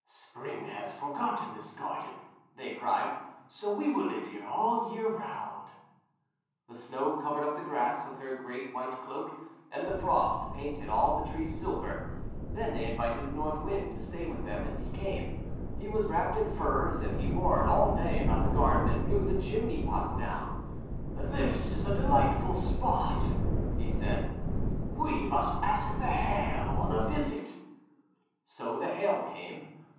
"Spring has forgotten this garden," they cried, "so we will live here all the year round." The Snow covered up the grass with her great white cloak, and the Frost painted all the trees silver. Then they invited the North Wind to stay with them, and he came. He was wrapped in furs, and he roared all day about the garden, and blew the chimney pots down. "This is a delightful spot," he said, "we must ask the Hail on a visit." So the Hail came.